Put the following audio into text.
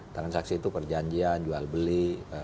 transaksi itu perjanjian jual beli